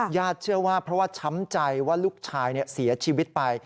ญาติเชื่อว่าเพราะว่าช้ำใจว่าลูกชายเสียชีวิตไป